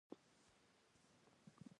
تر ټولو نږدې خپل يې لوی دښمن وي.